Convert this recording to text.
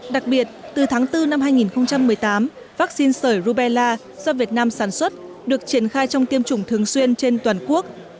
đặc biệt từ tháng bốn năm hai nghìn một mươi tám vaccine sởi rubella do việt nam sản xuất được triển khai trong tiêm chủng thường xuyên trên toàn quốc